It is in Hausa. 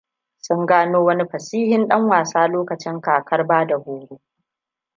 Sun gano wani fasihin ɗan wasa lokacin kakar bada horo.